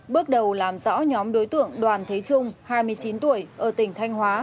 bước đầu làm rõ nhóm đối tượng đoàn thế trung hai mươi chín tuổi ở tỉnh thanh hóa